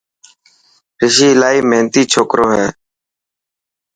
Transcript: رشي الاهي ميهنتي ڇوڪرو هي.